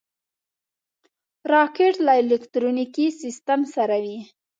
راکټ له الکترونیکي سیسټم سره وي